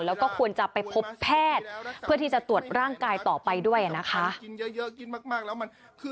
แล้วก็ควรจะไปพบแพทย์เพื่อที่จะตรวจร่างกายต่อไปด้วยนะคะ